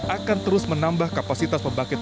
akan terus menambah kapasitas pembangkit